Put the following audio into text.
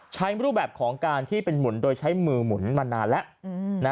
รูปแบบของการที่เป็นหมุนโดยใช้มือหมุนมานานแล้ว